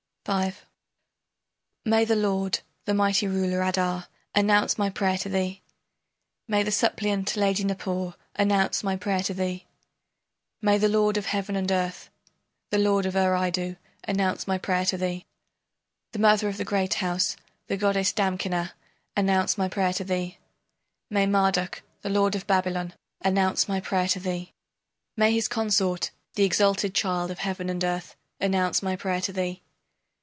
V May the lord, the mighty ruler Adar, announce my prayer to thee! May the suppliant lady Nippur announce my prayer to thee! May the lord of heaven and earth, the lord of Eridu, announce my prayer to thee! The mother of the great house, the goddess Damkina, announce my prayer to thee! May Marduk, the lord of Babylon, announce my prayer to thee! May his consort, the exalted child of heaven and earth, announce my prayer to thee!